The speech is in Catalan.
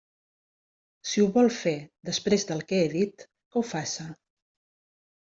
Si ho vol fer, després del que he dit, que ho faça!